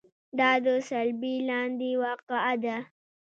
دا د صلبیې لاندې واقع ده.